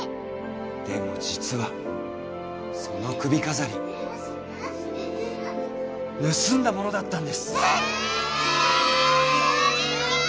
「でも実はその首飾り盗んだものだったんです」えっ！？衝撃！？